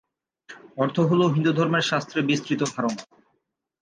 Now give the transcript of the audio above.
অর্থ হল হিন্দুধর্মের শাস্ত্রে বিস্তৃত ধারণা।